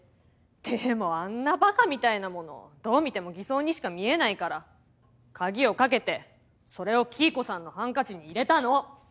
でもあんなバカみたいなものどう見ても偽装にしか見えないから鍵を掛けてそれを黄以子さんのハンカチに入れたの。